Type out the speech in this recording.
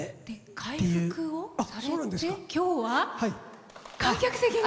回復をされて今日は、観客席に。